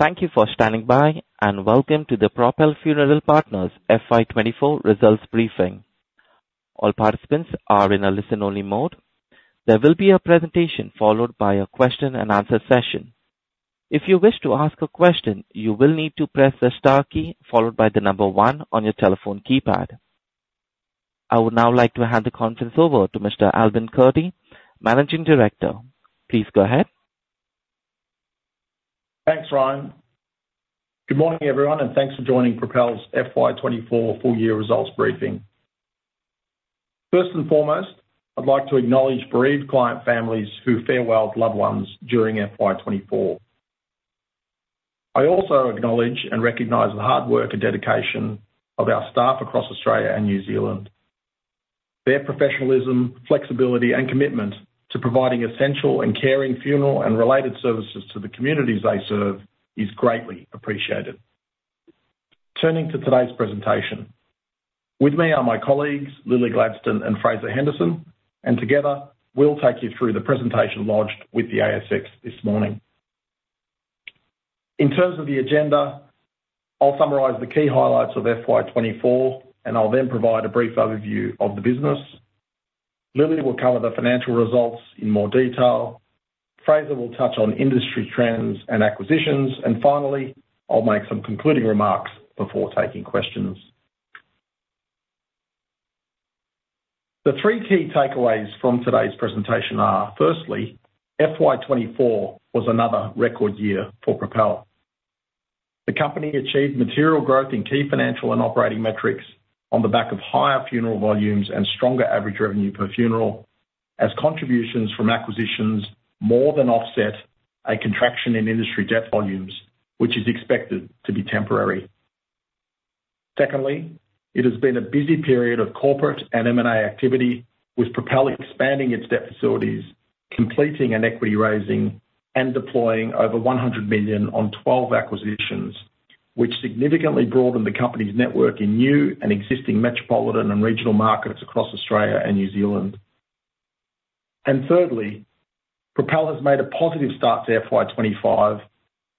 Thank you for standing by, and welcome to the Propel Funeral Partners FY 2024 results briefing. All participants are in a listen-only mode. There will be a presentation followed by a question and answer session. If you wish to ask a question, you will need to press the star key followed by the number one on your telephone keypad. I would now like to hand the conference over to Mr. Albin Kurti, Managing Director. Please go ahead. Thanks, Ryan. Good morning, everyone, and thanks for joining Propel's FY 2024 full year results briefing. First and foremost, I'd like to acknowledge bereaved client families who farewelled loved ones during FY 2024. I also acknowledge and recognize the hard work and dedication of our staff across Australia and New Zealand. Their professionalism, flexibility, and commitment to providing essential and caring funeral and related services to the communities they serve is greatly appreciated. Turning to today's presentation, with me are my colleagues, Lillie Gladstone and Fraser Henderson, and together we'll take you through the presentation lodged with the ASX this morning. In terms of the agenda, I'll summarize the key highlights of FY 2024, and I'll then provide a brief overview of the business. Lillie will cover the financial results in more detail. Fraser will touch on industry trends and acquisitions, and finally, I'll make some concluding remarks before taking questions. The three key takeaways from today's presentation are, firstly, FY 2024 was another record year for Propel. The company achieved material growth in key financial and operating metrics on the back of higher funeral volumes and stronger average revenue per funeral, as contributions from acquisitions more than offset a contraction in industry death volumes, which is expected to be temporary. Secondly, it has been a busy period of corporate and M&A activity, with Propel expanding its debt facilities, completing an equity raising, and deploying over 100 million on 12 acquisitions, which significantly broadened the company's network in new and existing metropolitan and regional markets across Australia and New Zealand. And thirdly, Propel has made a positive start to FY 2025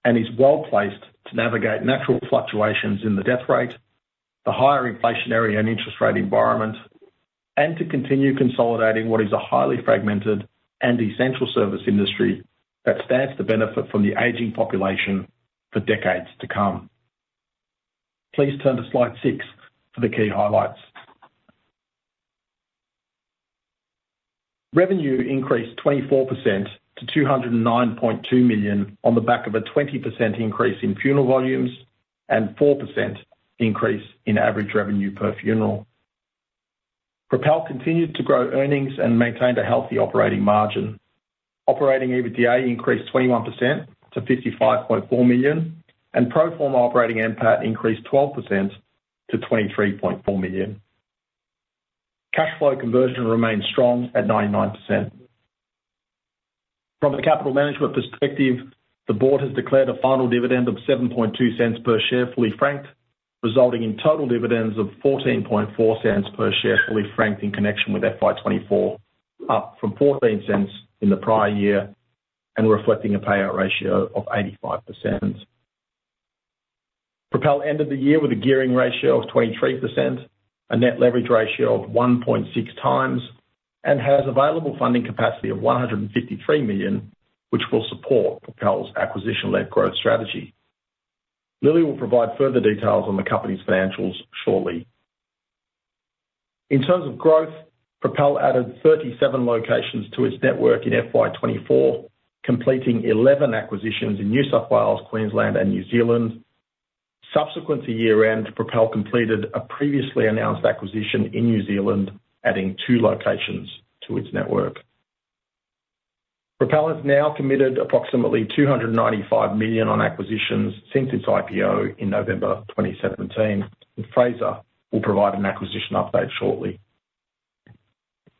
and is well-placed to navigate natural fluctuations in the death rate, the higher inflationary and interest rate environment, and to continue consolidating what is a highly fragmented and essential service industry that stands to benefit from the aging population for decades to come. Please turn to slide 6 for the key highlights. Revenue increased 24% to 209.2 million on the back of a 20% increase in funeral volumes and 4% increase in average revenue per funeral. Propel continued to grow earnings and maintained a healthy operating margin. Operating EBITDA increased 21% to 55.4 million, and pro forma operating NPAT increased 12% to 23.4 million. Cash flow conversion remains strong at 99%. From a capital management perspective, the board has declared a final dividend of 0.072 per share, fully franked, resulting in total dividends of 0.144 per share, fully franked, in connection with FY 2024, up from 0.140 in the prior year and reflecting a payout ratio of 85%. Propel ended the year with a gearing ratio of 23%, a net leverage ratio of 1.6 times, and has available funding capacity of 153 million, which will support Propel's acquisition-led growth strategy. Lillie will provide further details on the company's financials shortly. In terms of growth, Propel added 37 locations to its network in FY 2024, completing 11 acquisitions in New South Wales, Queensland, and New Zealand. Subsequent to year-end, Propel completed a previously announced acquisition in New Zealand, adding 2 locations to its network. Propel has now committed approximately 295 million on acquisitions since its IPO in November 2017, and Fraser will provide an acquisition update shortly.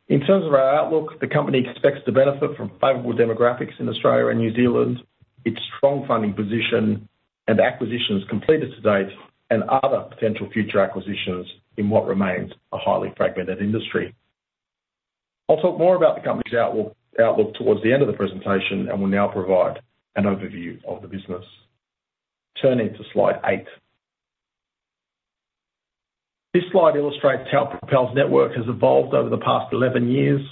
In terms of our outlook, the company expects to benefit from favorable demographics in Australia and New Zealand, its strong funding position and acquisitions completed to date, and other potential future acquisitions in what remains a highly fragmented industry. I'll talk more about the company's outlook towards the end of the presentation and will now provide an overview of the business. Turning to Slide 8. This slide illustrates how Propel's network has evolved over the past 11 years.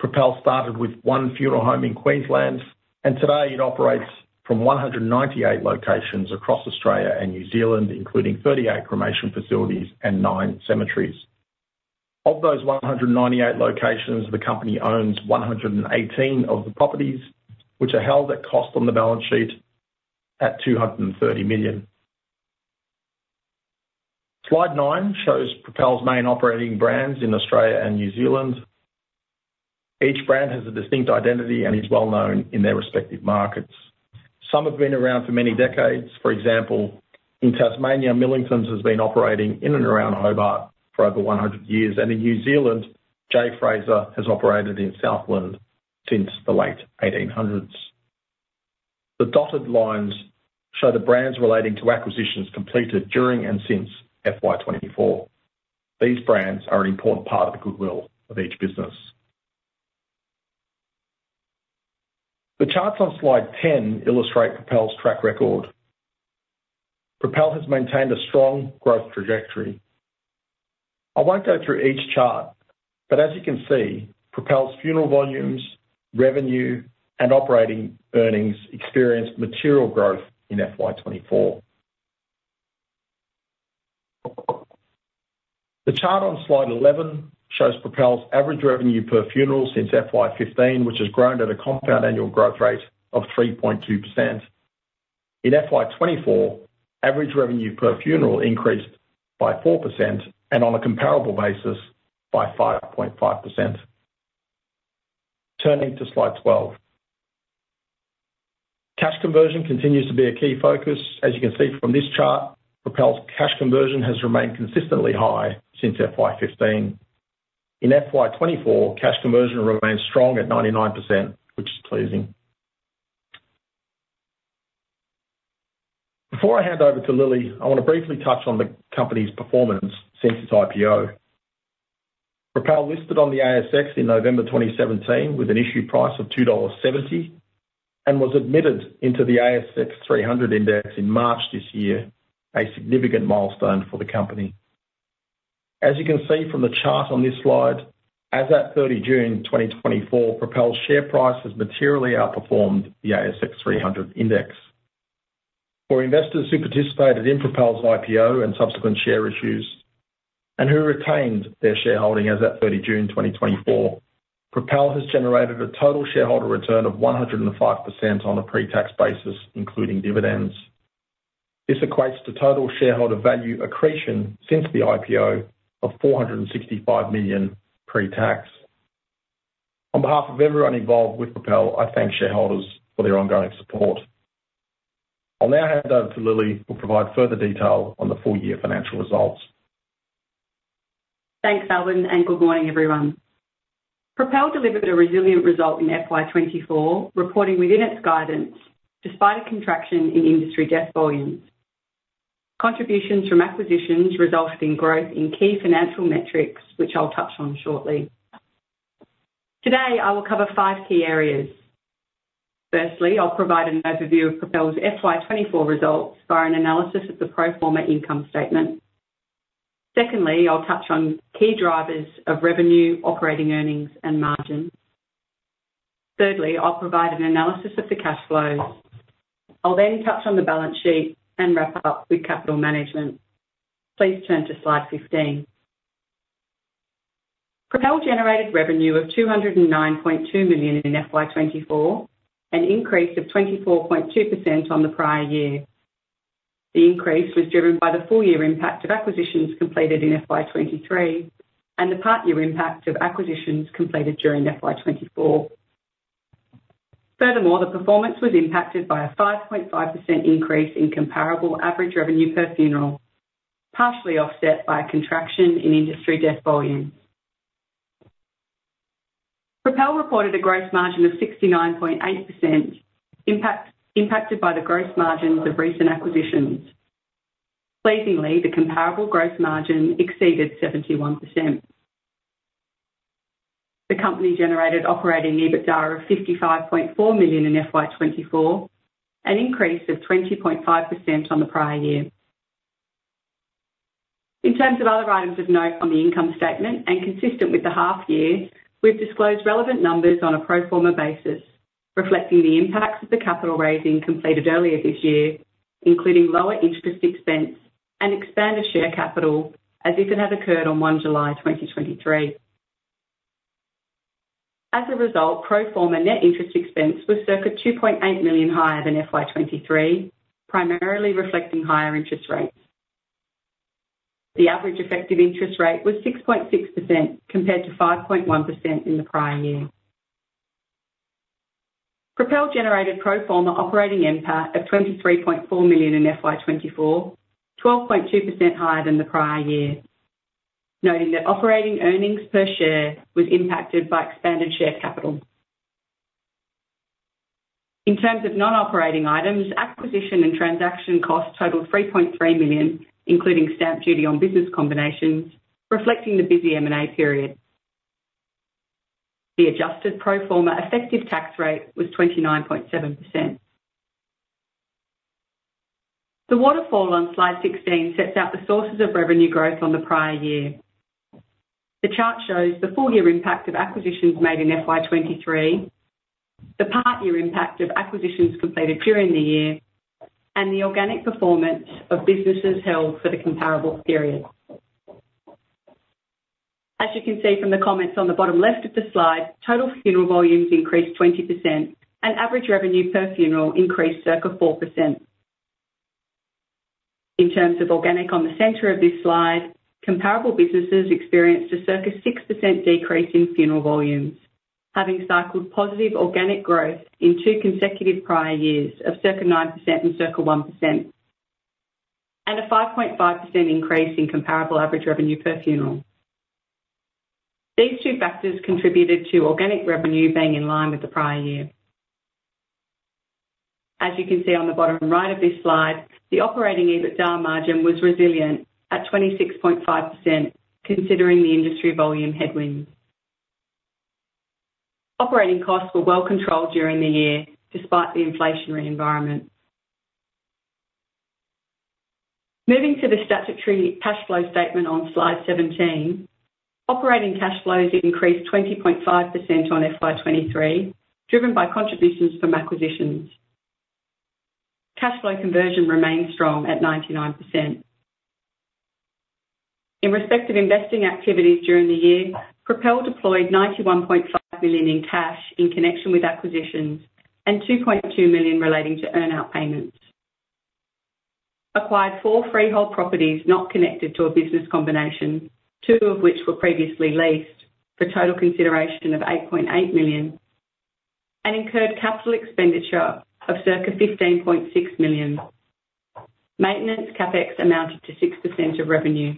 Propel started with one funeral home in Queensland, and today it operates from 198 locations across Australia and New Zealand, including 38 cremation facilities and nine cemeteries. Of those 198 locations, the company owns 118 of the properties, which are held at cost on the balance sheet at 230 million. Slide 9 shows Propel's main operating brands in Australia and New Zealand. Each brand has a distinct identity and is well-known in their respective markets. Some have been around for many decades. For example, in Tasmania, Millingtons has been operating in and around Hobart for over 100 years, and in New Zealand, J. Fraser has operated in Southland since the late 1800s. The dotted lines show the brands relating to acquisitions completed during and since FY24. These brands are an important part of the goodwill of each business. The charts on slide 10 illustrate Propel's track record. Propel has maintained a strong growth trajectory. I won't go through each chart, but as you can see, Propel's funeral volumes, revenue, and operating earnings experienced material growth in FY 2024. The chart on slide 11 shows Propel's average revenue per funeral since FY 2015, which has grown at a compound annual growth rate of 3.2%. In FY 2024, average revenue per funeral increased by 4%, and on a comparable basis, by 5.5%. Turning to slide 12. Cash conversion continues to be a key focus. As you can see from this chart, Propel's cash conversion has remained consistently high since FY 2015. In FY 2024, cash conversion remains strong at 99%, which is pleasing. Before I hand over to Lilli, I wanna briefly touch on the company's performance since its IPO. Propel listed on the ASX in November 2017, with an issue price of 2.70 dollars, and was admitted into the ASX 300 index in March this year, a significant milestone for the company. As you can see from the chart on this slide, as at 30 June 2024, Propel's share price has materially outperformed the ASX 300 index. For investors who participated in Propel's IPO and subsequent share issues, and who retained their shareholding as at 30 June 2024, Propel has generated a total shareholder return of 105% on a pre-tax basis, including dividends. This equates to total shareholder value accretion since the IPO of 465 million pre-tax. On behalf of everyone involved with Propel, I thank shareholders for their ongoing support. I'll now hand over to Lillie, who'll provide further detail on the full year financial results. Thanks, Albin, and good morning, everyone. Propel delivered a resilient result in FY 2024, reporting within its guidance, despite a contraction in industry death volumes. Contributions from acquisitions resulted in growth in key financial metrics, which I'll touch on shortly. Today, I will cover five key areas. Firstly, I'll provide an overview of Propel's FY 2024 results via an analysis of the pro forma income statement. Secondly, I'll touch on key drivers of revenue, operating, earnings, and margins. Thirdly, I'll provide an analysis of the cash flows. I'll then touch on the balance sheet and wrap up with capital management. Please turn to slide 15. Propel generated revenue of 209.2 million in FY 2024, an increase of 24.2% on the prior year. The increase was driven by the full year impact of acquisitions completed in FY 2023, and the part-year impact of acquisitions completed during FY 2024. Furthermore, the performance was impacted by a 5.5% increase in comparable average revenue per funeral, partially offset by a contraction in industry death volume. Propel reported a gross margin of 69.8%, impacted by the gross margins of recent acquisitions. Pleasingly, the comparable gross margin exceeded 71%. The company generated operating EBITDA of 55.4 million in FY 2024, an increase of 20.5% on the prior year. In terms of other items of note on the income statement, and consistent with the half year, we've disclosed relevant numbers on a pro forma basis, reflecting the impacts of the capital raising completed earlier this year, including lower interest expense and expanded share capital, as if it had occurred on 1 July 2023. As a result, pro forma net interest expense was circa 2.8 million higher than FY 2023, primarily reflecting higher interest rates. The average effective interest rate was 6.6%, compared to 5.1% in the prior year. Propel generated pro forma operating NPAT of 23.4 million in FY 2024, 12.2 higher than the prior year, noting that operating earnings per share was impacted by expanded share capital. In terms of non-operating items, acquisition and transaction costs totaled 3.3 million, including stamp duty on business combinations, reflecting the busy M&A period. The adjusted pro forma effective tax rate was 29.7%. The waterfall on Slide 16 sets out the sources of revenue growth on the prior year. The chart shows the full year impact of acquisitions made in FY 2023, the part-year impact of acquisitions completed during the year, and the organic performance of businesses held for the comparable period. As you can see from the comments on the bottom left of the slide, total funeral volumes increased 20%, and average revenue per funeral increased circa 4%. In terms of organic, on the center of this slide, comparable businesses experienced a circa 6% decrease in funeral volumes, having cycled positive organic growth in two consecutive prior years of circa 9% and circa 1%, and a 5.5% increase in comparable average revenue per funeral. These two factors contributed to organic revenue being in line with the prior year. As you can see on the bottom right of this slide, the operating EBITDA margin was resilient at 26.5%, considering the industry volume headwinds. Operating costs were well controlled during the year, despite the inflationary environment. Moving to the statutory cash flow statement on Slide 17, operating cash flows increased 20.5% on FY 2023, driven by contributions from acquisitions. Cash flow conversion remained strong at 99%. In respect of investing activities during the year, Propel deployed 91.5 million in cash in connection with acquisitions, and 2.2 million relating to earn-out payments. Propel acquired four freehold properties not connected to a business combination, two of which were previously leased, for total consideration of 8.8 million. Propel incurred capital expenditure of circa 15.6 million. Maintenance CapEx amounted to 6% of revenue.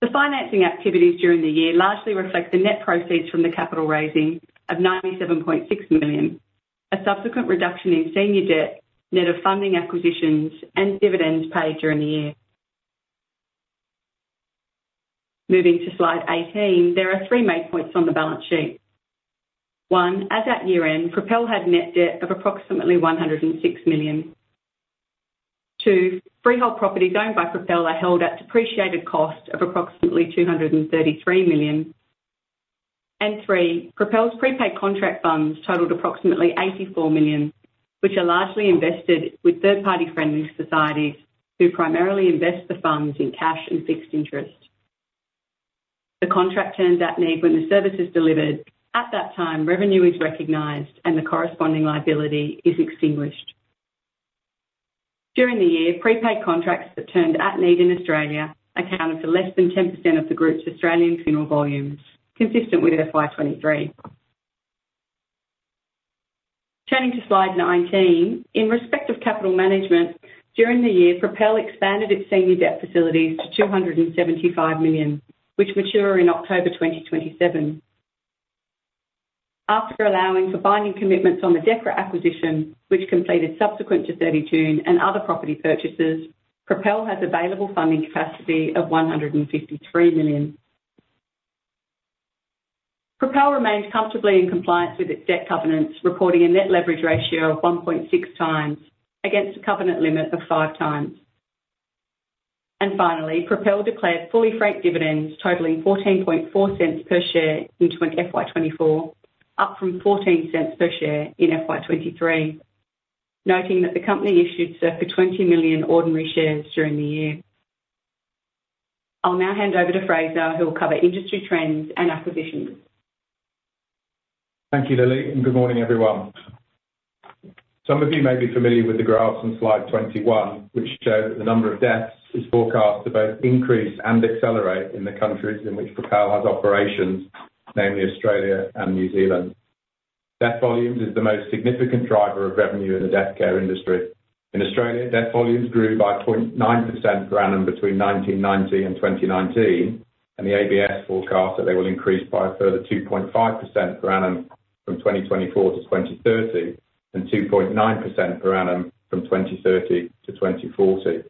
The financing activities during the year largely reflect the net proceeds from the capital raising of 97.6 million, a subsequent reduction in senior debt, net of funding acquisitions and dividends paid during the year. Moving to Slide 18, there are three main points on the balance sheet. One, as at year-end, Propel had net debt of approximately 106 million. Two, freehold property owned by Propel are held at depreciated cost of approximately 233 million. And three, Propel's prepaid contract funds totaled approximately 84 million, which are largely invested with third-party friendly societies, who primarily invest the funds in cash and fixed interest. The contract turns at need when the service is delivered. At that time, revenue is recognized and the corresponding liability is extinguished. During the year, prepaid contracts that turned at need in Australia accounted for less than 10% of the group's Australian funeral volumes, consistent with FY 2023. Turning to Slide 19, in respect of capital management, during the year, Propel expanded its senior debt facilities to 275 million, which mature in October 2027. After allowing for binding commitments on the Decra acquisition, which completed subsequent to 30 June and other property purchases, Propel has available funding capacity of 153 million. Propel remains comfortably in compliance with its debt covenants, reporting a net leverage ratio of 1.6 times against a covenant limit of 5 times. Finally, Propel declared fully franked dividends totaling 0.144 per share in FY 2024, up from AUD 0.140 per share in FY 2023, noting that the company issued circa 20 million ordinary shares during the year. I'll now hand over to Fraser, who will cover industry trends and acquisitions. Thank you, Lillie, and good morning, everyone. Some of you may be familiar with the graphs on Slide 21, which show that the number of deaths is forecast to both increase and accelerate in the countries in which Propel has operations, namely Australia and New Zealand. Death volumes is the most significant driver of revenue in the death care industry. In Australia, death volumes grew by 0.9% per annum between 1990 and 2019, and the ABS forecasts that they will increase by a further 2.5% per annum from 2024 to 2030, and 2.9% per annum from 2030 to 2040.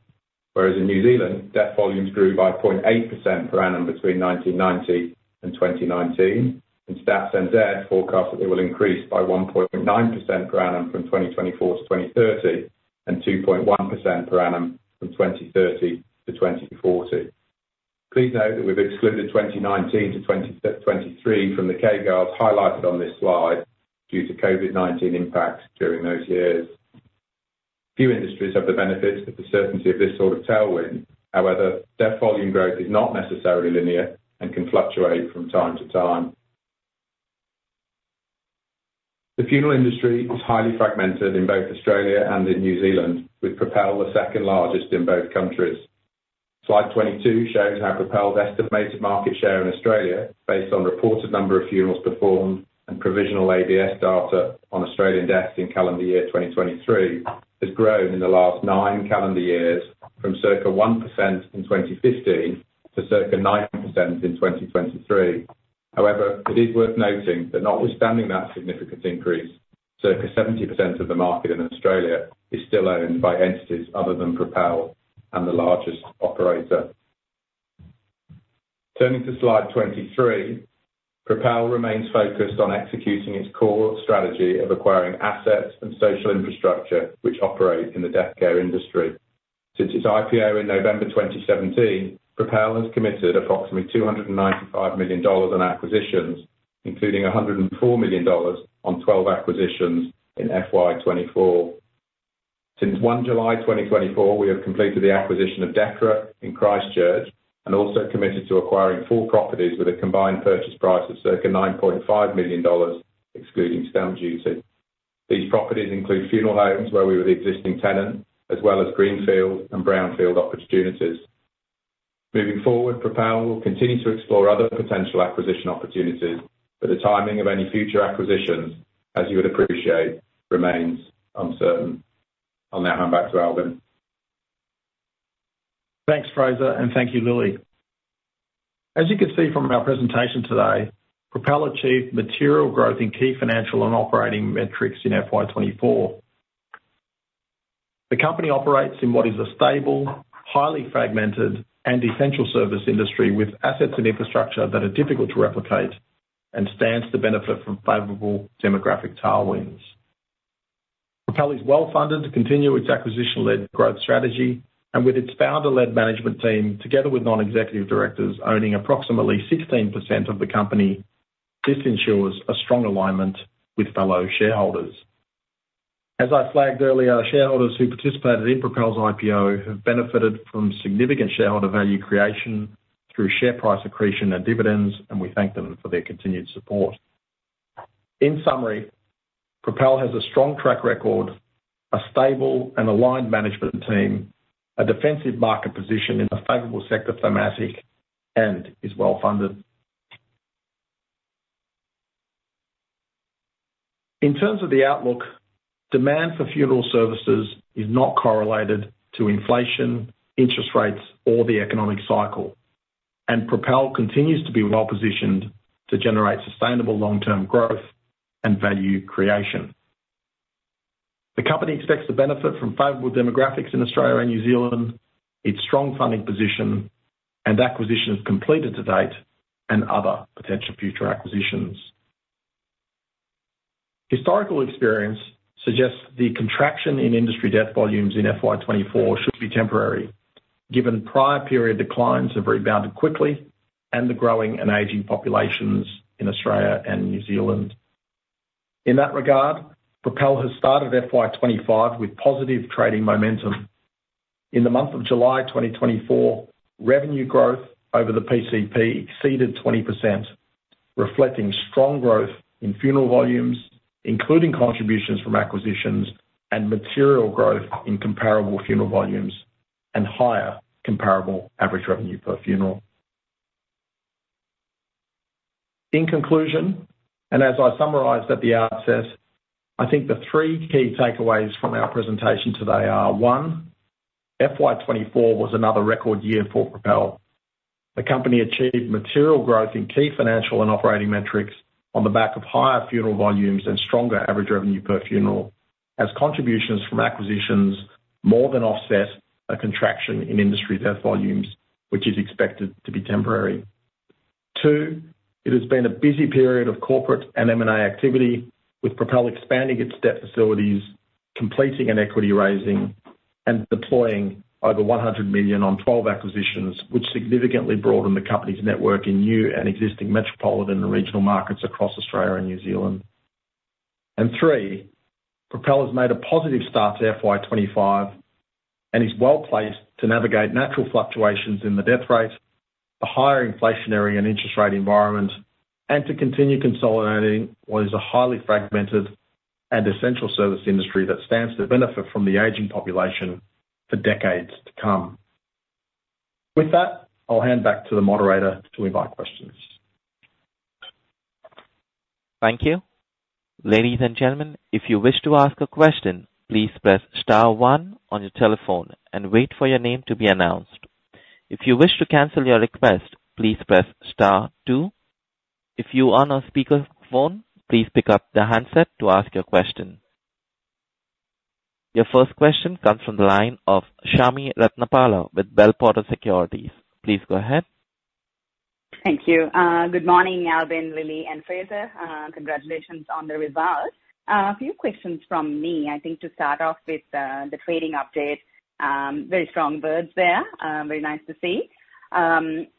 Whereas in New Zealand, death volumes grew by 0.8% per annum between 1990 and 2019, and Stats NZ forecast that they will increase by 1.9% per annum from 2024 to 2030, and 2.1% per annum from 2030 to 2040. Please note that we've excluded 2019 to 2023 from the key graphs highlighted on this slide due to COVID-19 impacts during those years. Few industries have the benefit of the certainty of this sort of tailwind. However, death volume growth is not necessarily linear and can fluctuate from time to time. The funeral industry is highly fragmented in both Australia and in New Zealand, with Propel the second largest in both countries. Slide 22 shows how Propel's estimated market share in Australia, based on reported number of funerals performed and provisional ABS data on Australian deaths in calendar year 2023, has grown in the last 9 calendar years from circa 1% in 2015 to circa 9% in 2023. However, it is worth noting that notwithstanding that significant increase, circa 70% of the market in Australia is still owned by entities other than Propel and the largest operator. Turning to Slide 23, Propel remains focused on executing its core strategy of acquiring assets and social infrastructure, which operate in the death care industry. Since its IPO in November 2017, Propel has committed approximately 295 million dollars on acquisitions, including 104 million dollars on 12 acquisitions in FY 24. Since 1 July 2024, we have completed the acquisition of Decra in Christchurch, and also committed to acquiring four properties with a combined purchase price of circa 9.5 million dollars, excluding stamp duty. These properties include funeral homes, where we were the existing tenant, as well as greenfield and brownfield opportunities. Moving forward, Propel will continue to explore other potential acquisition opportunities, but the timing of any future acquisitions, as you would appreciate, remains uncertain. I'll now hand back to Albin.... Thanks, Fraser, and thank you, Lilli. As you can see from our presentation today, Propel achieved material growth in key financial and operating metrics in FY 2024. The company operates in what is a stable, highly fragmented, and essential service industry, with assets and infrastructure that are difficult to replicate and stands to benefit from favorable demographic tailwinds. Propel is well-funded to continue its acquisition-led growth strategy and with its founder-led management team, together with non-executive directors, owning approximately 16% of the company, this ensures a strong alignment with fellow shareholders. As I flagged earlier, shareholders who participated in Propel's IPO have benefited from significant shareholder value creation through share price accretion and dividends, and we thank them for their continued support. In summary, Propel has a strong track record, a stable and aligned management team, a defensive market position in a favorable sector thematic, and is well-funded. In terms of the outlook, demand for funeral services is not correlated to inflation, interest rates, or the economic cycle, and Propel continues to be well-positioned to generate sustainable long-term growth and value creation. The company expects to benefit from favorable demographics in Australia and New Zealand, its strong funding position, and acquisitions completed to date, and other potential future acquisitions. Historical experience suggests the contraction in industry death volumes in FY 2024 should be temporary, given prior period declines have rebounded quickly and the growing and aging populations in Australia and New Zealand. In that regard, Propel has started FY 2025 with positive trading momentum. In the month of July 2024, revenue growth over the PCP exceeded 20%, reflecting strong growth in funeral volumes, including contributions from acquisitions and material growth in comparable funeral volumes and higher comparable average revenue per funeral. In conclusion, and as I summarized at the outset, I think the three key takeaways from our presentation today are, one, FY 2024 was another record year for Propel. The company achieved material growth in key financial and operating metrics on the back of higher funeral volumes and stronger average revenue per funeral, as contributions from acquisitions more than offset a contraction in industry death volumes, which is expected to be temporary. Two, it has been a busy period of corporate and M&A activity, with Propel expanding its debt facilities, completing an equity raising, and deploying over 100 million on 12 acquisitions, which significantly broaden the company's network in new and existing metropolitan and regional markets across Australia and New Zealand. And three, Propel has made a positive start to FY 2025 and is well-placed to navigate natural fluctuations in the death rate, a higher inflationary and interest rate environment, and to continue consolidating what is a highly fragmented and essential service industry that stands to benefit from the aging population for decades to come. With that, I'll hand back to the moderator to invite questions. Thank you. Ladies and gentlemen, if you wish to ask a question, please press star one on your telephone and wait for your name to be announced. If you wish to cancel your request, please press star two. If you are on a speaker phone, please pick up the handset to ask your question. Your first question comes from the line of Chami Ratnapala with Bell Potter Securities. Please go ahead. Thank you. Good morning, Albin, Lilli, and Fraser. Congratulations on the results. A few questions from me. I think to start off with, the trading update, very strong results there. Very nice to see.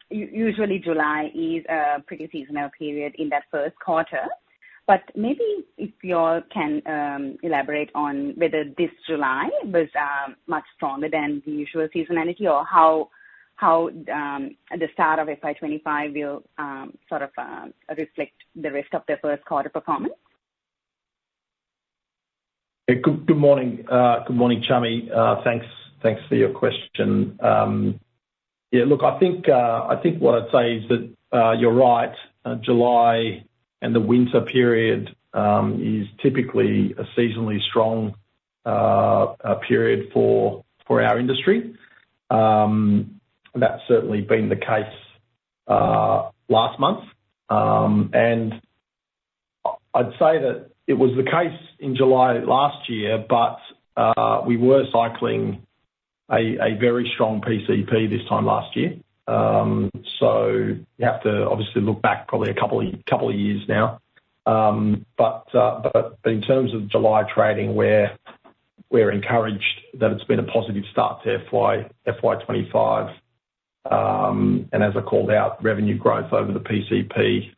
Usually July is a pretty seasonal period in that first quarter, but maybe if you all can elaborate on whether this July was much stronger than the usual seasonality, or how the start of FY 2025 will sort of reflect the rest of the first quarter performance? Hey, good morning. Good morning, Chami. Thanks for your question. Yeah, look, I think what I'd say is that you're right. July and the winter period is typically a seasonally strong period for our industry. That's certainly been the case last month. I'd say that it was the case in July last year, but we were cycling a very strong PCP this time last year. So you have to obviously look back probably a couple of years now. But in terms of July trading, we're encouraged that it's been a positive start to FY 2025. and as I called out, revenue growth over the PCP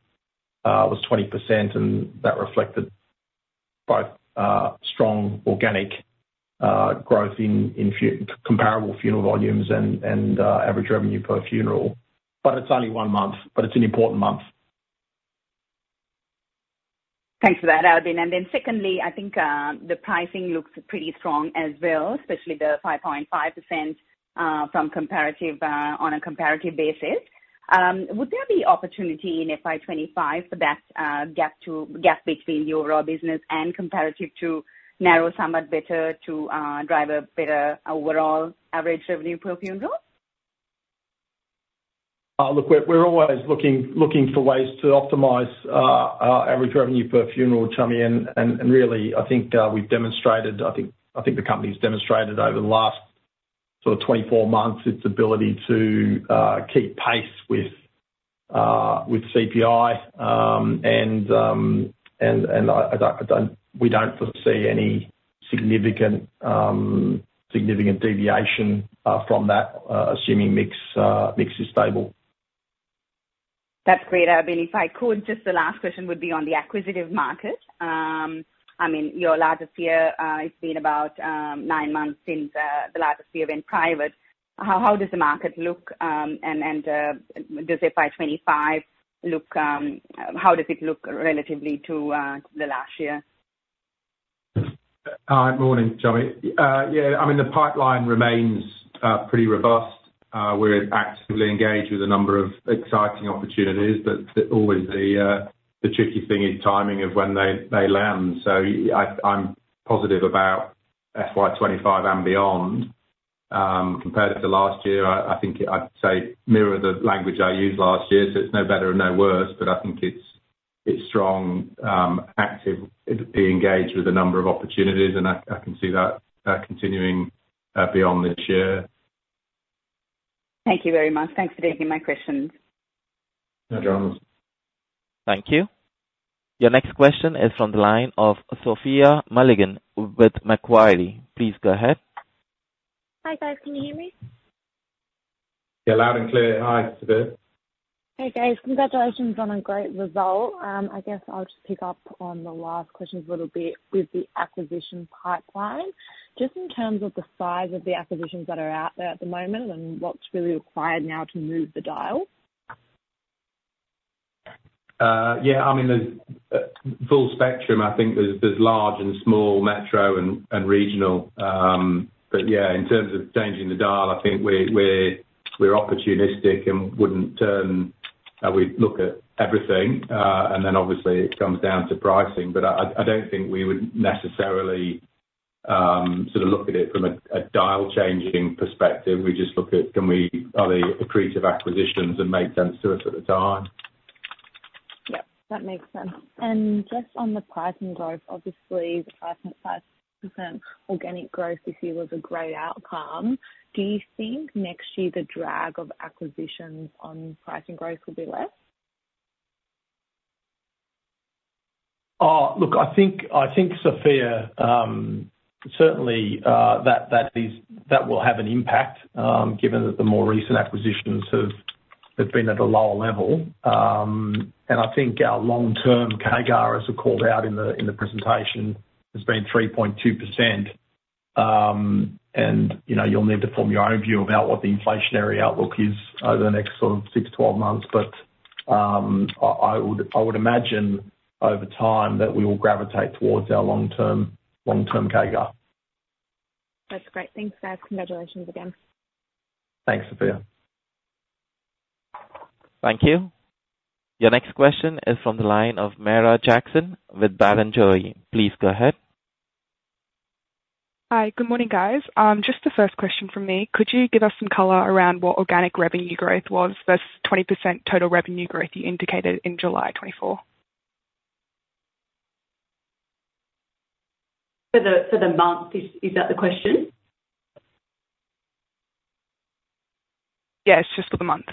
was 20%, and that reflected both strong organic growth in comparable funeral volumes and average revenue per funeral. But it's only one month, but it's an important month. Thanks for that, Albin, and then secondly, I think, the pricing looks pretty strong as well, especially the 5.5%, from comparative, on a comparative basis.... would there be opportunity in FY 2025 for that gap between the overall business and comparative to narrow somewhat better to drive a better overall average revenue per funeral? Look, we're always looking for ways to optimize our average revenue per funeral, Chami, and really, I think we've demonstrated. I think the company's demonstrated over the last sort of 24 months its ability to keep pace with CPI. And I don't – we don't foresee any significant deviation from that, assuming mix is stable. That's great. Lilli, if I could, just the last question would be on the acquisitive market. I mean, your largest peer, it's been about nine months since the largest peer went private. How does the market look, and does FY 2025 look, how does it look relatively to the last year? Morning, Chami. Yeah, I mean, the pipeline remains pretty robust. We're actively engaged with a number of exciting opportunities, but always the tricky thing is timing of when they land, so I'm positive about FY 2025 and beyond. Compared to last year, I think I'd say mirror the language I used last year, so it's no better and no worse, but I think it's strong, actively engaged with a number of opportunities, and I can see that continuing beyond this year. Thank you very much. Thanks for taking my questions. No drama. Thank you. Your next question is from the line of Sophia Mulligan with Macquarie. Please go ahead. Hi, guys. Can you hear me? Yeah, loud and clear. Hi, Sophia. Hey, guys. Congratulations on a great result. I guess I'll just pick up on the last question a little bit with the acquisition pipeline. Just in terms of the size of the acquisitions that are out there at the moment and what's really required now to move the dial? Yeah, I mean, there's full spectrum. I think there's large and small, metro and regional. But yeah, in terms of changing the dial, I think we're opportunistic and wouldn't turn. We'd look at everything, and then obviously it comes down to pricing. But I don't think we would necessarily sort of look at it from a dial-changing perspective. We just look at, are they accretive acquisitions that make sense to us at the time? Yep, that makes sense. And just on the pricing growth, obviously the pricing, 5% organic growth this year was a great outcome. Do you think next year the drag of acquisitions on pricing growth will be less? Look, I think, Sophia, certainly, that will have an impact, given that the more recent acquisitions have been at a lower level. And I think our long-term CAGR, as we called out in the presentation, has been 3.2%. You know, you'll need to form your own view about what the inflationary outlook is over the next sort of six to 12 months. But I would imagine over time that we will gravitate towards our long-term CAGR. That's great. Thanks, guys. Congratulations again. Thanks, Sophia. Thank you. Your next question is from the line of Meira Jackson with Barrenjoey. Please go ahead. Hi, good morning, guys. Just the first question from me. Could you give us some color around what organic revenue growth was, versus 20% total revenue growth you indicated in July 2024? For the month, is that the question? Yes, just for the month.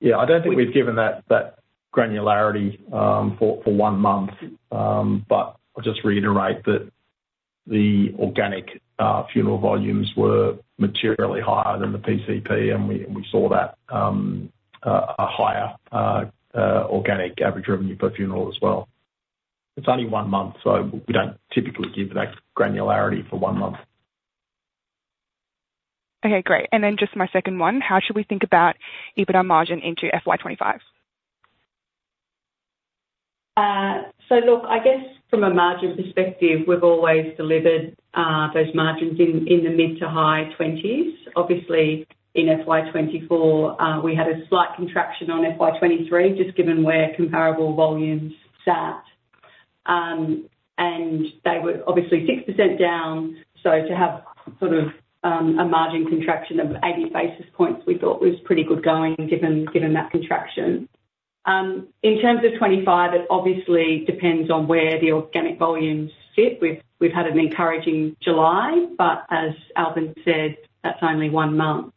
Yeah, I don't think we've given that granularity for one month. But I'll just reiterate that the organic funeral volumes were materially higher than the PCP, and we saw that a higher organic average revenue per funeral as well. It's only one month, so we don't typically give that granularity for one month. Okay, great. And then just my second one, how should we think about EBITDA margin into FY 2025? So look, I guess from a margin perspective, we've always delivered those margins in the mid to high twenties. Obviously, in FY 2024, we had a slight contraction on FY twenty-three, just given where comparable volumes sat. And they were obviously 6% down, so to have sort of a margin contraction of 80 basis points, we thought was pretty good going, given that contraction. In terms of twenty-five, it obviously depends on where the organic volumes sit. We've had an encouraging July, but as Albin said, that's only one month.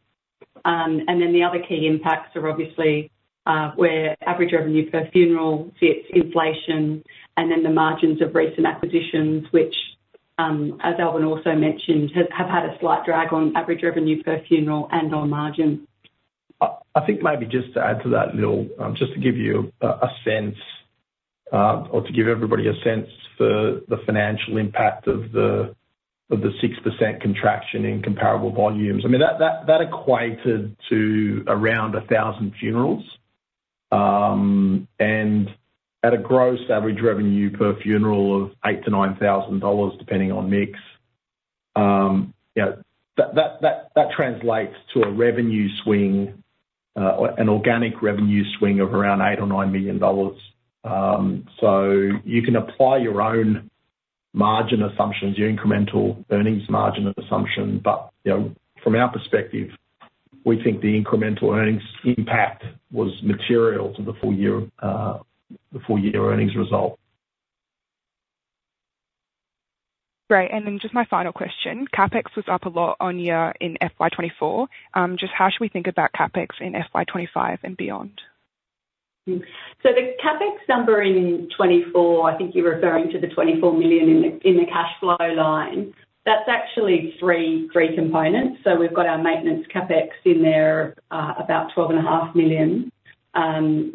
And then the other key impacts are obviously where average revenue per funeral sits, inflation, and then the margins of recent acquisitions, which, as Albin also mentioned, have had a slight drag on average revenue per funeral and on margins. I think maybe just to add to that, Lil, just to give you a sense or to give everybody a sense for the financial impact of the 6% contraction in comparable volumes. I mean, that equated to around a thousand funerals, and at a gross average revenue per funeral of 8,000-9,000 dollars, depending on mix. Yeah, that translates to a revenue swing, an organic revenue swing of around 8 million or 9 million dollars. So you can apply your own margin assumptions, your incremental earnings margin of assumption, but, you know, from our perspective, we think the incremental earnings impact was material to the full year, the full year earnings result. Great. And then just my final question. CapEx was up a lot on year in FY 2024. Just how should we think about CapEx in FY 2025 and beyond? So the CapEx number in 2024, I think you're referring to the 24 million in the cash flow line. That's actually three components. So we've got our maintenance CapEx in there, about 12.5 million.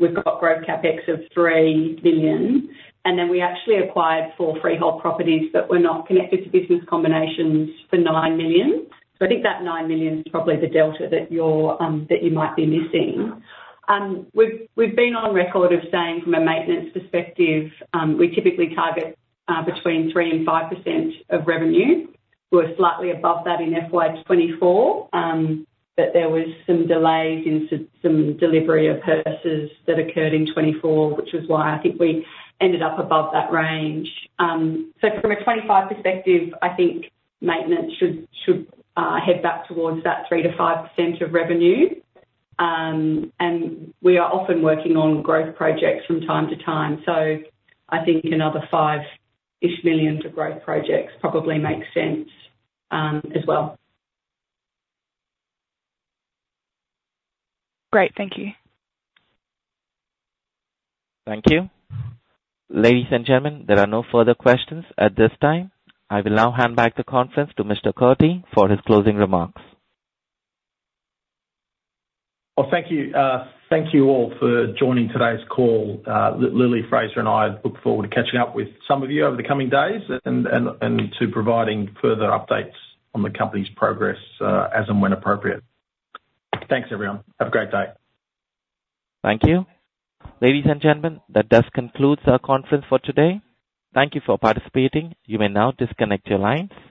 We've got growth CapEx of 3 million, and then we actually acquired four freehold properties that were not connected to business combinations for 9 million. So I think that 9 million is probably the delta that you're, that you might be missing. We've been on a record of saying from a maintenance perspective, we typically target between 3% and 5% of revenue. We're slightly above that in FY 2024, but there was some delays in some delivery of purchases that occurred in 2024, which was why I think we ended up above that range. So from a 2025 perspective, I think maintenance should head back towards that 3-5% of revenue. And we are often working on growth projects from time to time. So I think another five-ish million to growth projects probably makes sense, as well. Great. Thank you. Thank you. Ladies and gentlemen, there are no further questions at this time. I will now hand back the conference to Mr. Kurti for his closing remarks. Thank you. Thank you all for joining today's call. Lilli, Fraser, and I look forward to catching up with some of you over the coming days and to providing further updates on the company's progress, as and when appropriate. Thanks, everyone. Have a great day. Thank you. Ladies and gentlemen, that does conclude our conference for today. Thank you for participating. You may now disconnect your lines.